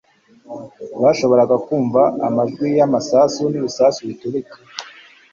bashoboraga kumva amajwi y'amasasu n'ibisasu biturika